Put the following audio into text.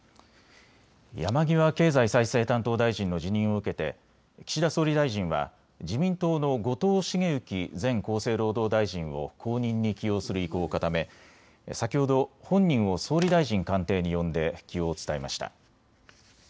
山際経済再生担当大臣の辞任を受けて岸田総理大臣は自民党の後藤茂之前厚生労働大臣を後任に起用する意向を固め先ほど本人を総理大臣官邸に呼んで起用を伝えました。